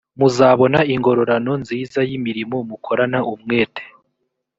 muzabona ingororano nziza y imirimo mukorana umwete